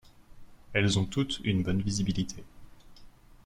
Elles ont toutes une bonne visibilité.